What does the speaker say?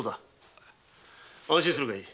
安心するがいい。